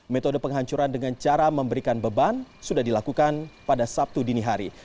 metode penghancuran dengan cara memberikan beban sudah dilakukan pada sabtu dini hari